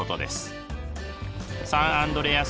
サンアンドレアス